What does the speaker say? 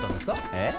えっ？